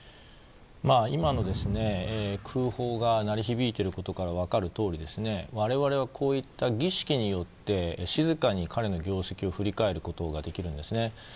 今の空砲が鳴り響いていることからも分かるように、こういった儀式によって、静かに彼の業績を振り返ることができるんですね。